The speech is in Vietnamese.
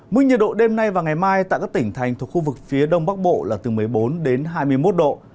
mức nhiệt độ đêm nay và ngày mai tại các tỉnh thành thuộc khu vực phía đông bắc bộ là từ một mươi bốn đến hai mươi một độ